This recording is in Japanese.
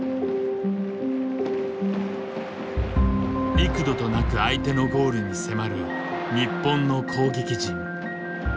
幾度となく相手のゴールに迫る日本の攻撃陣。